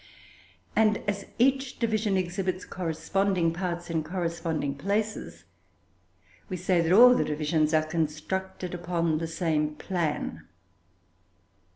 And, as each division exhibits corresponding parts in corresponding places, we say that all the divisions are constructed upon the same plan.